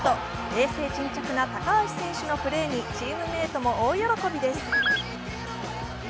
冷静沈着な高橋選手のプレーにチームメイトも大喜びです。